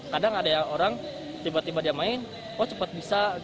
kadang ada orang tiba tiba dia main oh cepat bisa